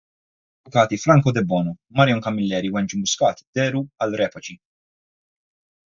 L-avukati Franco debono, Marion Camilleri u Angie Muscat dehru għal Repaci.